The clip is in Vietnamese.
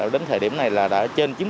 đến thời điểm này là đã trên